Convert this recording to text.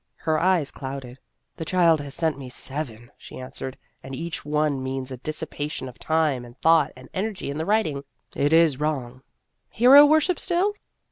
Her eyes clouded. "The child has sent me seven," she answered, " and each one means a dissipation of time and thought and energy in the writing. It is wrong." " Hero worship still